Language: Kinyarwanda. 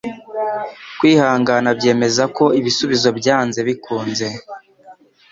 Kwihangana byemeza ko ibisubizo byanze bikunze.